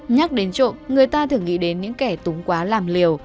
nhắc đến trộm người ta thường nghĩ đến những kẻ túng quá làm liều